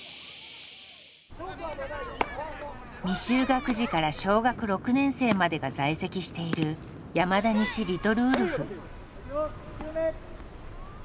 未就学児から小学６年生までが在籍している山田西リトルウルフ。